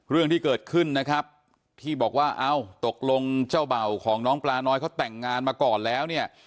เรื่องที่เกิดขึ้นนะครับที่บอกว่าเอ้าตกลงเจ้าเบ่าของน้องปลาน้อยเขาแต่งงานมาก่อนแล้วเนี่ย